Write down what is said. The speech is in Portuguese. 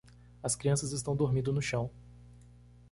As crianças estão dormindo no chão.